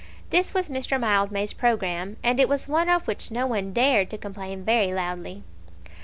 This was Mr. Mildmay's programme, and it was one of which no one dared to complain very loudly.